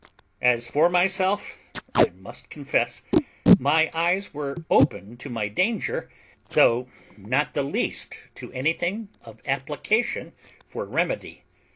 As for myself, I must confess my eyes were open to my danger, though not the least to anything of application for remedy.